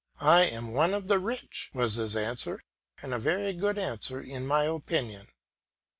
"I am one of the rich," was his answer; and a very good answer in my opinion.